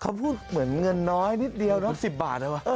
เขาพูดเหมือนเงินน้อยนิดเดียวนะ